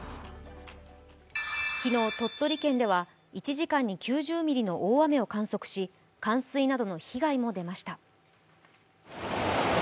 昨日、鳥取県では１時間に９０ミリの大雨を観測し冠水などの被害も出ました。